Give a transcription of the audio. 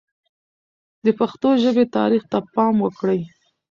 د پښتو ژبې تاریخ ته پام وکړئ.